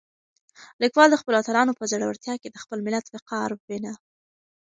لیکوال د خپلو اتلانو په زړورتیا کې د خپل ملت وقار وینه.